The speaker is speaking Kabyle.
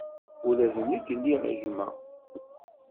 Ula d nekk liɣ gma.